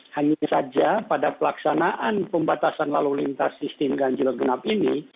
hanya saja pada pelaksanaan pembatasan lalu lintas sistem ganjil genap ini